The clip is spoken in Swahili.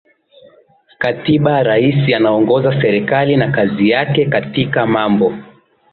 Katiba Rais anaongoza serikali na kazi yake Katika mambo